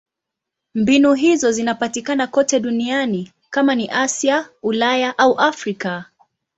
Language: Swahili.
Mbinu hizo zinapatikana kote duniani: kama ni Asia, Ulaya au Afrika.